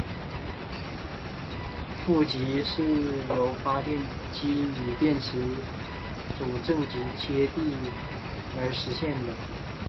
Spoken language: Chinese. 负极是由发电机与电池组的正极接地而实现的。